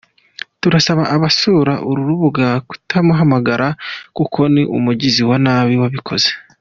Turasaba abasura uru rubuga kutamuhamagara kuko ni umugizi wa nabi wabikoze.